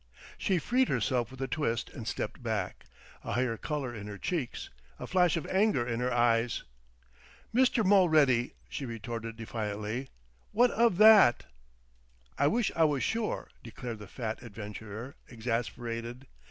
She freed herself with a twist, and stepped back, a higher color in her cheeks, a flash of anger in her eyes. "Mr. Mulready," she retorted defiantly. "What of that?" "I wish I was sure," declared the fat adventurer, exasperated.